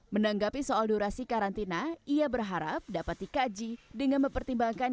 menanggapi soal durasi karantina ia berharap dapat dikaji dengan mempertimbangkan